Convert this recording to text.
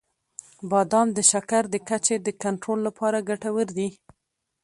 • بادام د شکر د کچې د کنټرول لپاره ګټور دي.